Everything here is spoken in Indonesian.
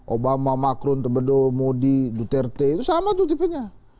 obama macron tebedo modi duterte itu sama tuh tipenya